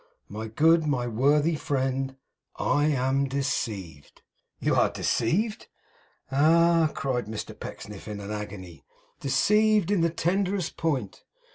My good, my worthy friend, I am deceived.' 'You are deceived!' 'Ah!' cried Mr Pecksniff, in an agony, 'deceived in the tenderest point.